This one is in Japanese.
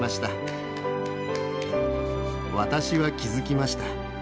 私は気付きました。